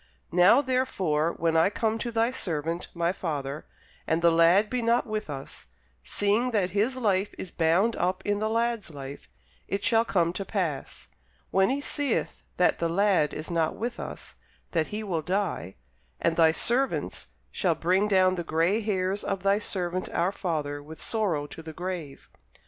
Now, therefore, when I come to thy servant my father, and the lad be not with us; seeing that his life is bound up in the lad's life; it shall come to pass, when he seeth that the lad is not with us, that he will die: and thy servants shall bring down the gray hairs of thy servant our father with sorrow to the grave.